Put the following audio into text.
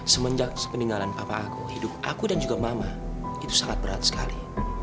semenjak sepeninggalan papa aku hidup aku dan juga mama itu sangat berat sekali